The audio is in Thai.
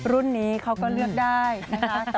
รุ่นนี้เขาก็เลือกได้นะคะ